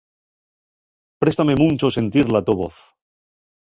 Préstame muncho sentir la to voz.